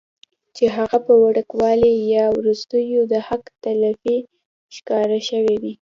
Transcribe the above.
چې هغه پۀ وړوکوالي يا وروستو د حق تلفۍ ښکار شوي وي